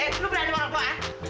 eh lu berani ngolong gue ah